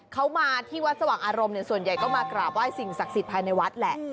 เขามาที่วัดสว่างอารมณ์ส่วนใหญ่ก็มากราบไห้สิ่งศักดิ์สิทธิภายในวัดแหละ